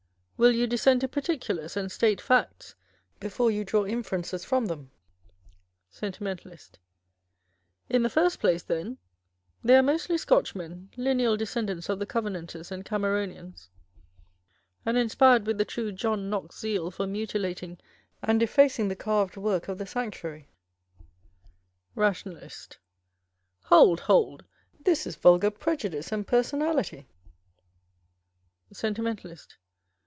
Will you descend to particulars, and state facts before you draw inferences from them ? Sentimentalist. In the first place, then, they are mostly Scotchmen â€" lineal descendants of the Covenanters and Cameronians, and inspired with the true John Knox zeal for mutilating and defacing the carved work of the sanctuary Rationalist. Hold, hold â€" this is vulgar prejudice and personality Sentimentalist.